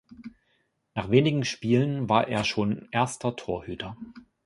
Nach wenigen Spielen war er schon erster Torhüter.